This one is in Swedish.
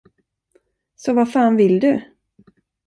Så vad fan vill du?